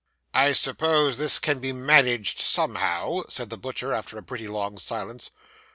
'I suppose this can be managed somehow,' said the butcher, after a pretty long silence.